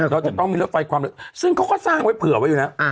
เราจะต้องมีรถไฟความเร็วซึ่งเขาก็สร้างไว้เผื่อไว้อยู่แล้ว